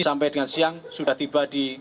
sampai dengan siang sudah tiba di